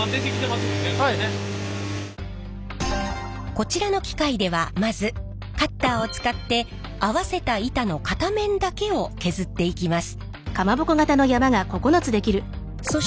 こちらの機械ではまずカッターを使って合わせた板の片面だけを削っていきます。